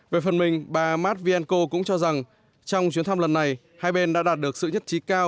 về phần mình bà mát viên cô cũng cho rằng trong chuyến thăm lần này hai bên đã đạt được sự nhất trí cao